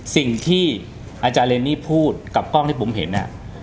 สิ่งที่อาจารย์เรนนี่พูดกับกล้องที่ผมเห็น